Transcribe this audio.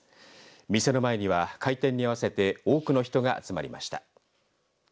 店の前には開店に合わせて多くの人が集まりました。